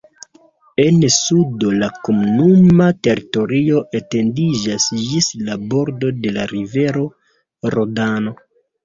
En sudo la komunuma teritorio etendiĝas ĝis la bordo de la rivero Rodano.